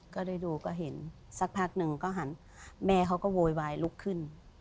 ก็ได้ดูก็เห็นสักพักหนึ่งก็หันแม่เขาก็โวยวายลุกขึ้น